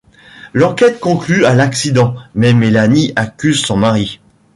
L'enquête conclut à l'accident, mais Mélanie accuse son mari.